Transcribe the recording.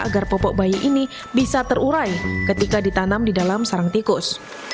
agar popok bayi ini bisa terurai ketika ditanam di dalam sarang tikus